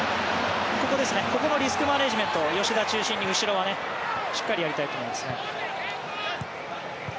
ここのリスクマネジメント吉田を中心に後ろはしっかりやりたいと思いますね。